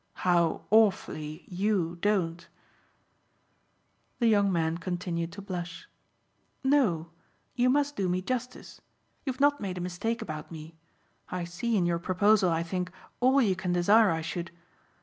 "How awfully YOU don't!" The young man continued to blush. "No you must do me justice. You've not made a mistake about me I see in your proposal, I think, all you can desire I should.